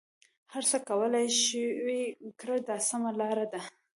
هر څه کولای شې ویې کړه دا سمه لاره ده.